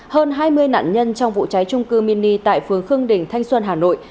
hơn hai mươi nạn nhân trong vụ cháy trung cư mini tại phường khương đình thanh xuân hà nội